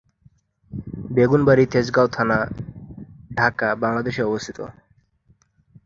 বেগুন বাড়ি তেজগাঁও থানা, ঢাকা, বাংলাদেশে অবস্থিত।